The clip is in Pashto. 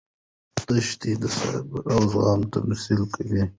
دښتې د صبر او زغم تمثیل کوي.